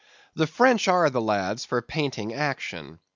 The French are the lads for painting action.